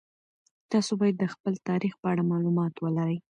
تاسو باید د خپل تاریخ په اړه مالومات ولرئ.